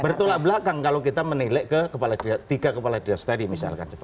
bertolak belakang kalau kita menilai ke tiga kepala diastri misalkan